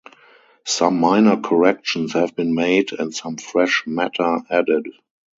Some minor corrections have been made and some fresh matter added.